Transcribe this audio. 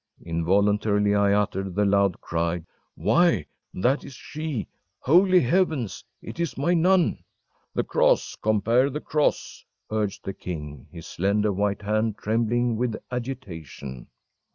‚ÄĚ Involuntarily I uttered the loud cry: “Why, that is she! Holy Heavens! It is my nun!‚ÄĚ “The cross compare the cross!‚ÄĚ urged the king, his slender, white hand trembling with agitation.